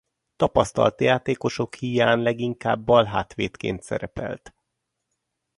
Tapasztalt játékosok híján leginkább balhátvédként szerepelt.